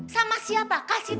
sama siapa kasih tahu sama siapa